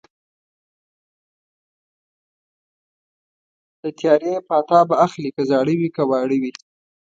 د تیارې پاتا به اخلي که زاړه وي که واړه وي